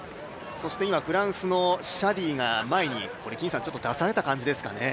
そして今、フランスのシャディが前に出された感じですかね。